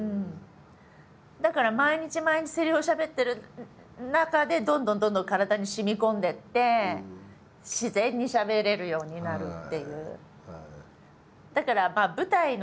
だから毎日毎日セリフをしゃべってる中でどんどんどんどん体にしみこんでいって自然にしゃべれるようになるっていう。